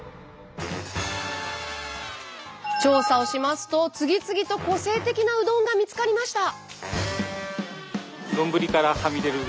調査をしますと次々と個性的なうどんが見つかりました。